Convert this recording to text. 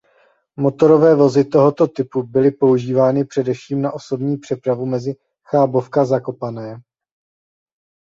Motorové vozy tohoto typu byly používány především na osobní přepravu mezi Chabówka–Zakopane.